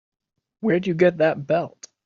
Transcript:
Where'd you get that belt?